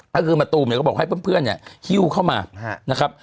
ก็คือตูมก็บอกให้เพื่อนฮิวเข้ามานะครับ